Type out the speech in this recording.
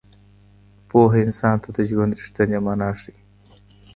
پوهه انسان ته د ژوند رښتينې مانا ښيي.